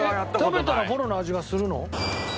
食べたらフォロの味がするの？